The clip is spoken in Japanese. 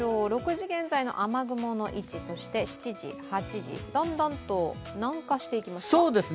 ６時現在の雨雲の位置、７時、８時、だんだんと南下していきますか？